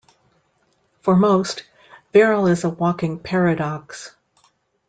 For most, Veril is a walking paradox.